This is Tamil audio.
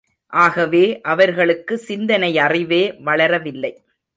ஆகவே அவர்களுக்கு சிந்தனையறிவே வளரவில்லை.